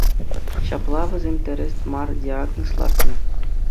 Ҫапла вӗсем тӗрӗс мар диагноз лартнӑ.